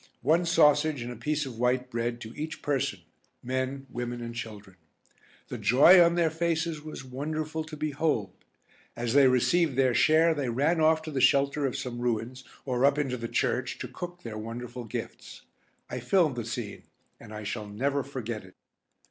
One sausage and a piece of white bread to each person, men, women, and children. The joy on their faces was wonderful to behold. As they received their share they ran off to the shelter of some ruins, or up into the church, to cook their wonderful gifts. I filmed the scene, and I shall never forget it.